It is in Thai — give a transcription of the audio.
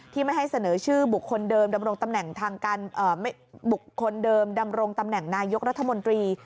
ที่ไม่ให้เสนอชื่อบุคคลเดิมดำรงตำแหน่งนายกรัฐมนตรี